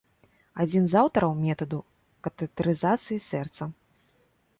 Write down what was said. Адзін з аўтараў метаду катэтарызацыі сэрца.